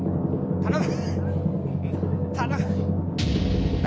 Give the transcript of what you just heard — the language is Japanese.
頼む！